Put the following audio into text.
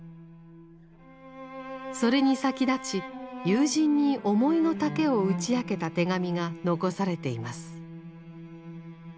それに先立ち友人に思いの丈を打ち明けた手紙が残されています。